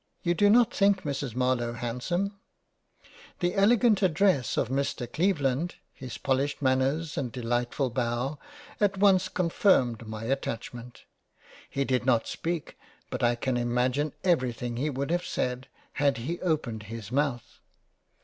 (You do not think Mrs Marlowe handsome ?) The elegant address of Mr Cleveland, his polished Manners and Delight ful Bow, at once confirmed my attachment. He did not speak ; but I can imagine everything he would have said, had he opened his Mouth.